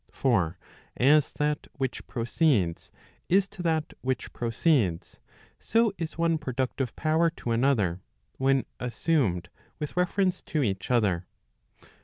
For as that which proceeds is to that which proceeds, so is one productive power to another, when assumed with reference to each other.